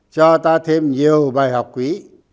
cho ta thêm nhiều bài học quý